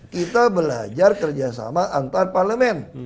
kita belajar kerjasama antarparlemen